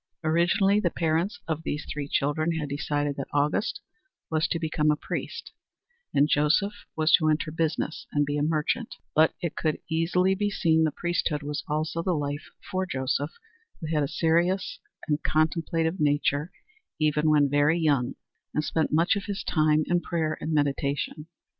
Originally the parents of these three children had decided that Auguste was to become a priest and Joseph was to enter business and be a merchant, but it could easily be seen the priesthood was also the life for Joseph, who had a serious and contemplative nature even when very young, and spent much of his time in prayer and meditation.